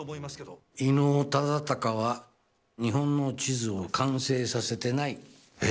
伊能忠敬は日本の地図を完成させてない。